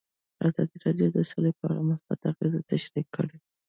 ازادي راډیو د سوله په اړه مثبت اغېزې تشریح کړي.